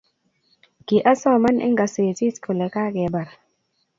Kiasoman eng kasetit kole kakebar